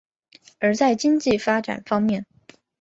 而在经济发展方面。